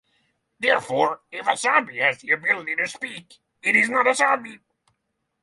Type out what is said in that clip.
Therefore, if a zombie has the ability to speak, it is not a zombie.